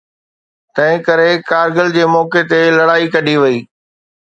تنهن ڪري ڪارگل جي موقعي تي لڙائي ڪڍي وئي.